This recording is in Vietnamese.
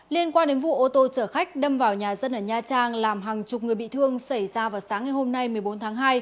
liên quan đến vụ ô tô chở khách đâm vào nhà dân ở nha trang làm hàng chục người bị thương xảy ra vào sáng ngày hôm nay một mươi bốn tháng hai